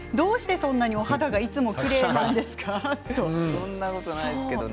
そんなことないですけどね。